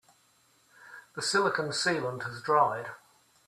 The silicon sealant has dried.